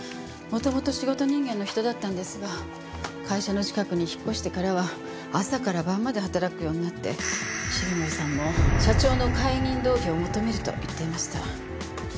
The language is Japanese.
元々仕事人間の人だったんですが会社の近くに引っ越してからは朝から晩まで働くようになって重森さんも社長の解任動議を求めると言っていました。